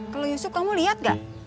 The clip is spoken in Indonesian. kalo yusuf kamu liat gak